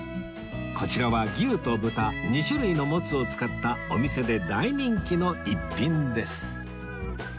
こちらは牛と豚２種類のもつを使ったお店で大人気の逸品です